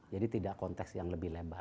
jadi tidak konteks yang lebih lebar